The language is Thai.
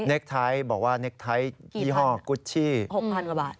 เน็กไทต์บอกว่าเน็กไทต์ยี่ห้อกุฏชี่๖๐๐๐กว่าบาท